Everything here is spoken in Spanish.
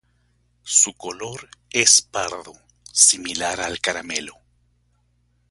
Su color es pardo, similar al caramelo.